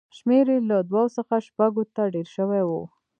شمېر یې له دوو څخه شپږو ته ډېر شوی و